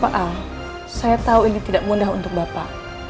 pak al saya tahu ini tidak mudah untuk bapak